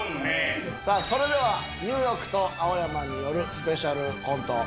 さあそれではニューヨークと青山によるスペシャルコント